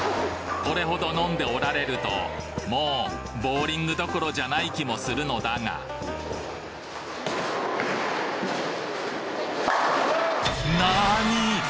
これほど飲んでおられるともうボウリングどころじゃない気もするのだがなにぃ！